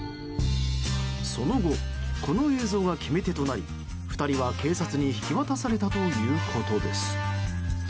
その後、この映像が決め手となり２人は警察に引き渡されたということです。